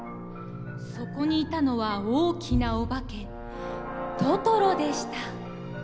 そこにいたのは大きなオバケトトロでした。